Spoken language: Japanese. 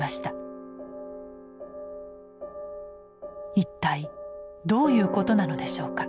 一体どういうことなのでしょうか？